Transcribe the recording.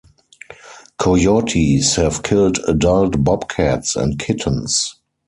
Coyotes have killed adult bobcats and kittens.